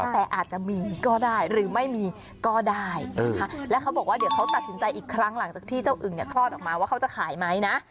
แต่อาจจะมีก็ได้หรือไม่มีก็ได้นะคะแล้วเขาบอกว่าเดี๋ยวเขาตัดสินใจอีกครั้งหลังจากที่เจ้าอึงเนี่ยคลอดออกมาว่าเขาจะขายไหมนะ